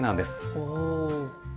おお。